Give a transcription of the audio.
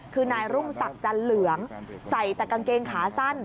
คือนายรุ่งศักดิ์จันเหลืองใส่แต่กางเกงขาสั้น